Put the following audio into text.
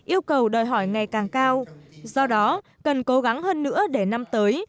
yêu cầu đòi hỏi ngày càng cao do đó cần cố gắng hơn nữa để năm tới